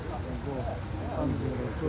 ３６。